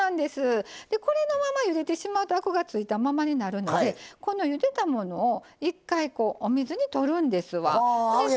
これのまま、ゆでてしまうとアクがついたままになるのでゆでたものを一回、お水にとるんです。